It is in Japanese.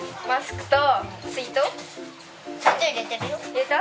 入れた？